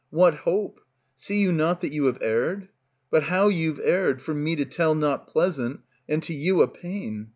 What hope? See you not that You have erred? But how you've erred, for me to tell Not pleasant, and to you a pain.